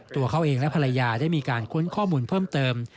ตัวเขาเองและภรรยาได้มีการค้นข้อมูลเพิ่มเติม